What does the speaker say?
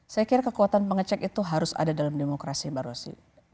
saya kira kekuatan pengecek itu harus ada dalam demokrasi mbak rosy